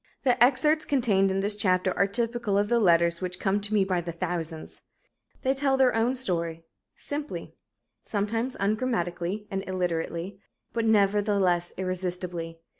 The excerpts contained in this chapter are typical of the letters which come to me by the thousands. They tell their own story, simply sometimes ungrammatically and illiterately, but nevertheless irresistibly.